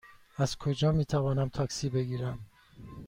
از کجا می توانم تاکسی بگیرم؟